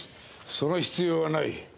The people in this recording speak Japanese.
その必要はない。